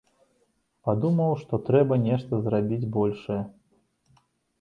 Падумаў, што трэба нешта зрабіць большае.